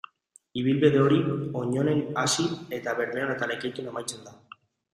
Ibilbide hori Oionen hasi eta Bermeon eta Lekeition amaitzen da.